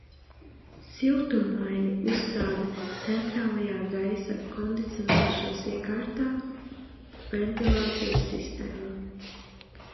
Siltummaini uzstāda centrālajā gaisa kondicionēšanas iekārtā, ventilācijas sistēmā.